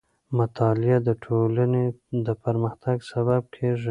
مطالعه د ټولنې د پرمختګ سبب کېږي.